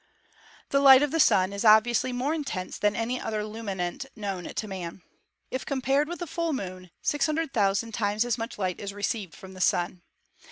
The light of the Sun is obviously more intense than any other luminant known to man. If compared with ' the full Moon, 600,000 times as much light is received from the Sun.